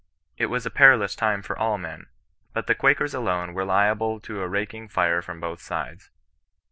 It was a perilous time for all men ; but the Quakers alone were liable to a raking fire from both sides.